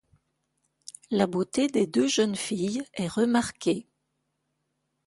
La beauté des deux jeunes filles est remarquée.